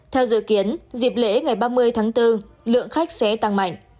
theo dự kiến dịp lễ ngày ba mươi tháng bốn lượng khách sẽ tăng mạnh